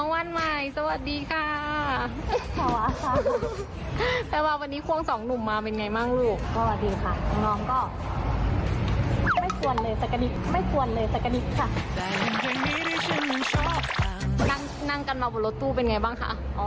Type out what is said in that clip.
มันคือที่สุดมันเป็นอะไรที่บรรยายไม่ถูก